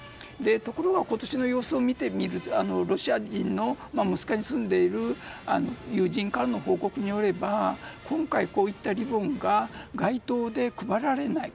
ところが今年の様子を見てみるとロシア人のモスクワに住んでいる友人からの報告によれば今回、こういったリボンが街頭で配られない。